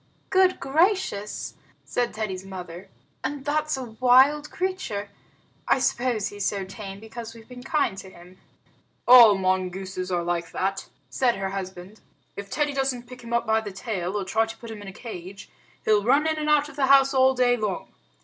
"Good gracious," said Teddy's mother, "and that's a wild creature! I suppose he's so tame because we've been kind to him." "All mongooses are like that," said her husband. "If Teddy doesn't pick him up by the tail, or try to put him in a cage, he'll run in and out of the house all day long.